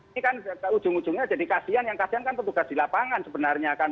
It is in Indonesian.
ini kan ujung ujungnya jadi kasian yang kasian kan petugas di lapangan sebenarnya kan